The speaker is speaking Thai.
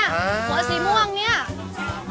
หัวสีม่วงเนี่ย